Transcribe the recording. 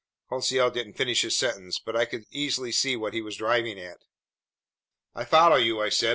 ." Conseil didn't finish his sentence, but I could easily see what he was driving at. "I follow you," I said.